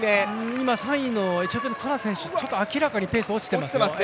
今３位のエチオピアのトラ選手明らかにペース落ちていますよ。